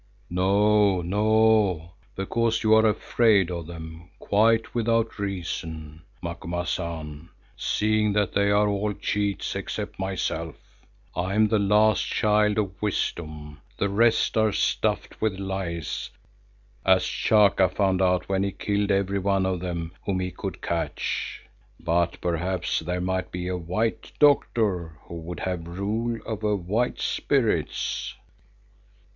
"No, no, because you are afraid of them; quite without reason, Macumazahn, seeing that they are all cheats except myself. I am the last child of wisdom, the rest are stuffed with lies, as Chaka found out when he killed every one of them whom he could catch. But perhaps there might be a white doctor who would have rule over white spirits."